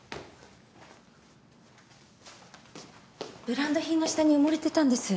ブランド品の下に埋もれてたんです。